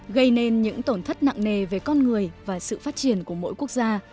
gây nên những tổn thất nặng nề về con người và sự phát triển của mỗi quốc gia